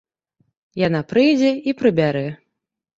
Яна прыйдзе і прыбярэ.